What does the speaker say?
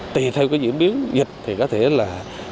tùy theo cái diễn biến dịch thì có thể là